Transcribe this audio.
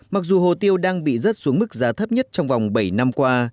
mặc dù hồ tiêu đang bị rớt xuống mức giá thấp nhất trong vòng bảy năm qua